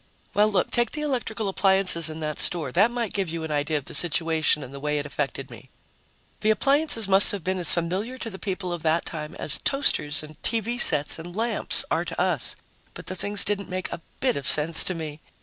Well, look, take the electrical appliances in that store; that might give you an idea of the situation and the way it affected me. The appliances must have been as familiar to the people of that time as toasters and TV sets and lamps are to us. But the things didn't make a bit of sense to me